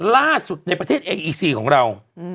ล่าสุดในประเทศเองอีซีของเรา